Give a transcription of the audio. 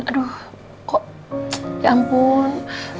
aduh kok ya ampun